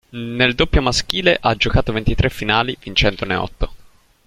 Nel doppio maschile ha giocato ventitré finali vincendone otto.